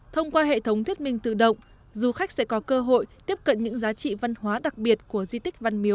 thông qua hệ thống thiết minh tự động du khách sẽ có cơ hội tiếp cận những giá trị văn hóa của bia tiến sĩ